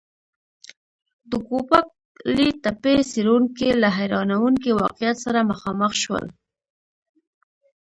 د ګوبک لي تپې څېړونکي له حیرانوونکي واقعیت سره مخامخ شول.